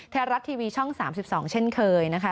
ไทยรัฐทีวีช่อง๓๒เช่นเคยนะคะ